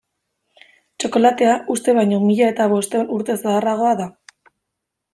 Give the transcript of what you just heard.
Txokolatea uste baino mila eta bostehun urte zaharragoa da.